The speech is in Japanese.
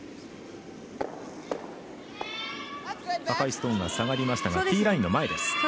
赤いストーン下がりましたがティーラインの前です。